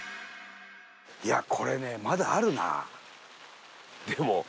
いやこれねまだあるな。